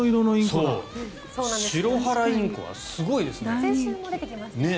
シロハラインコはすごいですね。